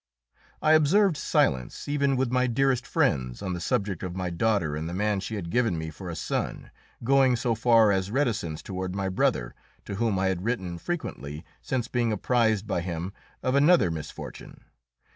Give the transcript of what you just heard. I observed silence, even with my dearest friends, on the subject of my daughter and the man she had given me for a son, going so far as reticence toward my brother, to whom I had written frequently since being apprised by him of another misfortune.